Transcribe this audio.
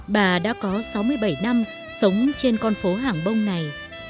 bà đã có sáu mươi bảy năm sống trên con phố hàng bông này